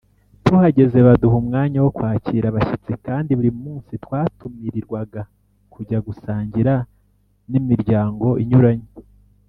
Tuhageze baduha umwanya wo kwakira abashyitsi kandi buri munsi twatumirirwaga kujya gusangira n’ imiryango inyuranye